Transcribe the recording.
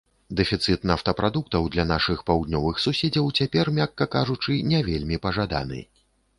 Дэфіцыт нафтапрадуктаў для нашых паўднёвых суседзяў цяпер, мякка кажучы, не вельмі пажаданы.